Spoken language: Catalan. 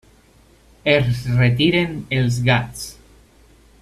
Es retiren els gats.